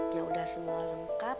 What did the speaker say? ya udah semua lengkap